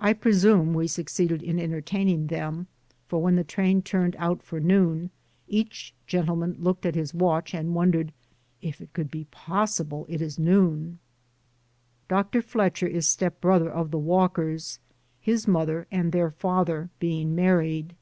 I presume we succeeded in entertaining them, for when the train turned out for noon, each gentleman looked at his watch and wondered "If it could be possible it is noon?" Dr. Fletcher is stepbrother of the Walkers — his mother and their father being married.